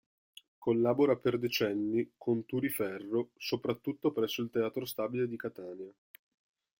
Collabora per decenni con Turi Ferro, soprattutto presso il Teatro Stabile di Catania.